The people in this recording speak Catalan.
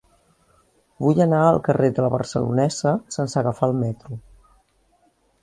Vull anar al carrer de La Barcelonesa sense agafar el metro.